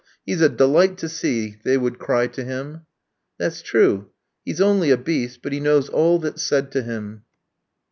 He's a delight to see!" they would cry to him. "That's true; he's only a beast, but he knows all that's said to him."